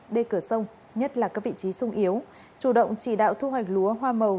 đê cửa sông nhất là các vị trí sung yếu chủ động chỉ đạo thu hoạch lúa hoa màu